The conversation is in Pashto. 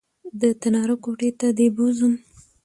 د تناره کوټې ته دې بوځم